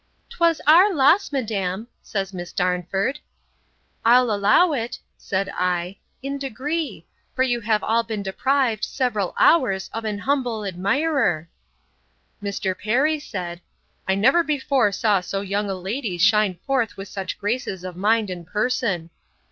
'Twas our loss, madam, says Miss Darnford. I'll allow it, said I, in degree; for you have all been deprived, several hours, of an humble admirer. Mr. Perry said, I never before saw so young a lady shine forth with such graces of mind and person.